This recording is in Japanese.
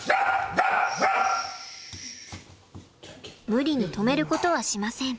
無理に止めることはしません。